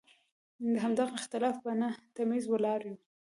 د همدغه اختلاف په نه تمیز ولاړ یو.